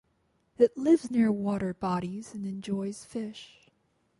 It lives near water bodies and enjoys fish.